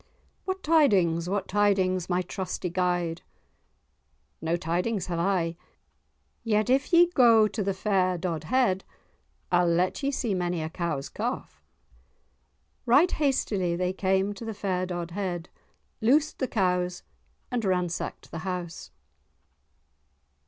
"What tidings, what tidings, my trusty guide?" "No tidings have I—yet if ye go to the fair Dodhead, I'll let ye see many a cow's calf." Right hastily they came to the fair Dodhead, loosed the cows and ransacked the house.